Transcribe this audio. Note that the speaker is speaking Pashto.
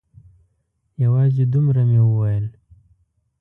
یوازې دومره مې وویل.